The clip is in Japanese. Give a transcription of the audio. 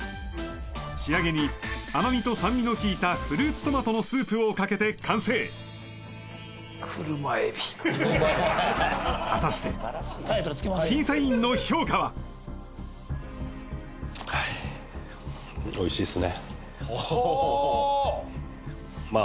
仕上げに甘みと酸味の効いたフルーツトマトのスープをかけて完成「車海老」ははははっ果たして審査員の評価はほうーまあ